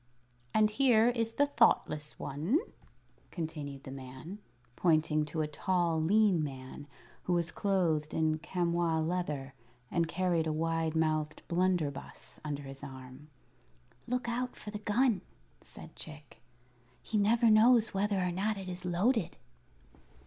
"And here is the Thoughtless One," continued the man, pointing to a tall, lean man who was clothed in chamois leather and carried a wide mouthed blunderbuss under his arm. "Look out for the gun," said Chick; "he never knows whether or not it is loaded."